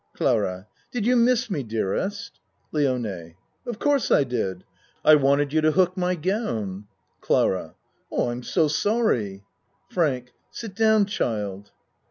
CLARA Did you miss me, dearest? LIONE Of course I did. I wanted you to hook my gown. CLARA I am so sorry. FRANK Sit down, child.